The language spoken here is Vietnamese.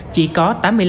chỉ có tám mươi năm tám